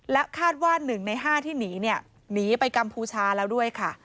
และคาดว่า๑ใน๕ที่หนีหนีไปกัมพูชาแล้วด้วย